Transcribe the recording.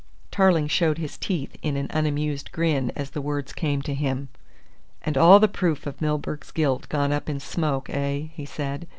Tarling showed his teeth in an unamused grin as the words came to him. "And all the proof of Milburgh's guilt gone up in smoke, eh?" he said.